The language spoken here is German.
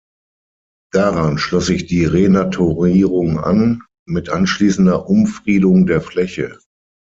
Daran schloss sich die Renaturierung an, mit anschließender Umfriedung der Fläche.